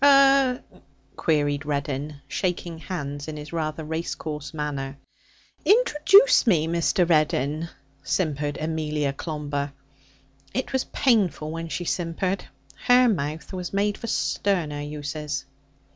''Er?' queried Reddin, shaking hands in his rather race course manner. 'Introduce me, Mr. Reddin!' simpered Amelia Clomber. It was painful when she simpered; her mouth was made for sterner uses.